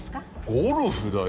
ゴルフだよ。